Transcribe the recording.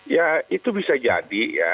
ya itu bisa jadi ya